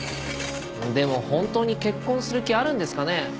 でも本当に結婚する気あるんですかね？